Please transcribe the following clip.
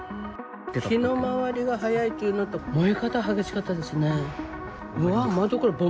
火の回りが早いっていうのと、燃え方、激しかったですね。